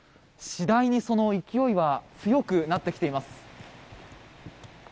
次第にその勢いは強くなってきています。